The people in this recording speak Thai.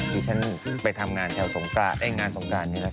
ดิฉันไปทำงานแถวสงครานี่งานสงครานนึกละค่ะ